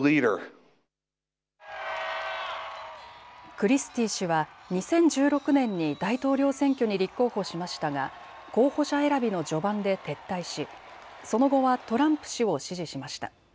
クリスティー氏は２０１６年に大統領選挙に立候補しましたが候補者選びの序盤で撤退しその後はトランプ氏を支持しました。